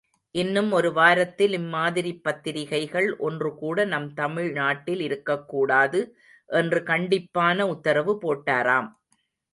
இன்னும் ஒருவாரத்தில் இம்மாதிரிப் பத்திரிகைகள் ஒன்று கூட நம் தமிழ் நாட்டில் இருக்கக்கூடாது என்று கண்டிப்பான உத்தரவு போட்டாராம்.